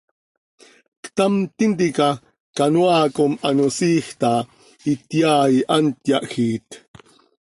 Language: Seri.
Ctam tintica canoaa com ano siij taa ityaai, hant yahjiit.